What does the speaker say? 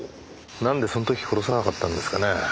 なんでその時殺さなかったんですかね？